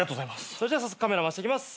それじゃ早速カメラ回していきます。